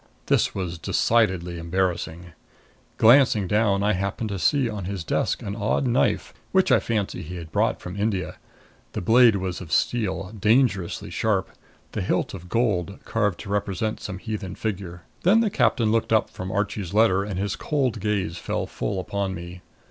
This was decidedly embarrassing. Glancing down, I happened to see on his desk an odd knife, which I fancy he had brought from India. The blade was of steel, dangerously sharp, the hilt of gold, carved to represent some heathen figure. Then the captain looked up from Archie's letter and his cold gaze fell full upon me.